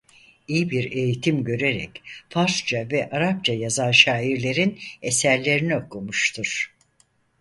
İyi bir eğitim görerek Farsça ve Arapça yazan şairlerin eserlerini okumuştur.